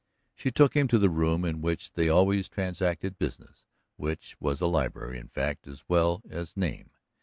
She took him to the room in which they always transacted business, which was a library in fact as well as name.